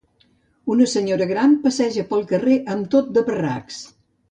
Una senyora gran passeja pel carrer amb tot de parracs.